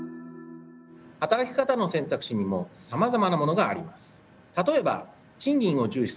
働き方の選択肢にもさまざまなものがあります。